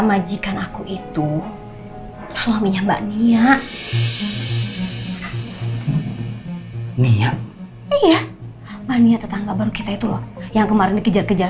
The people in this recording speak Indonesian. majikan aku itu suaminya mbak nia ya mbak nia tetangga baru kita itu loh yang kemarin dikejar kejar